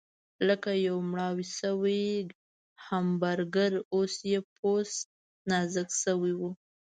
لکه یو مړاوی شوی همبرګر، اوس یې پوست نازک شوی و.